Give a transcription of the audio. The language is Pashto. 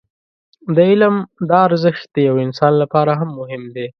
د علم دا ارزښت د يوه انسان لپاره هم مهم دی.